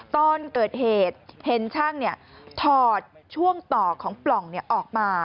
ตอนเกิดเหตุเห็นช่างถอดช่วงต่อของปล่องออกมา